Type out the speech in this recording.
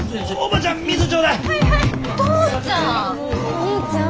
お兄ちゃん？